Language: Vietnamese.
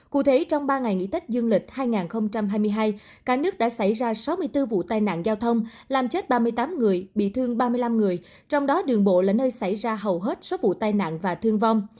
cụ thể trong ba ngày nghỉ tết dương lịch hai nghìn hai mươi hai cả nước đã xảy ra sáu mươi bốn vụ tai nạn giao thông làm chết ba mươi tám người bị thương ba mươi năm người trong đó đường bộ là nơi xảy ra hầu hết số vụ tai nạn và thương vong